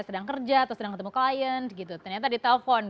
sedang kerja atau sedang ketemu klien gitu ternyata ditelepon